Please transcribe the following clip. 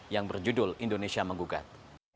yang berjudul indonesia menggugat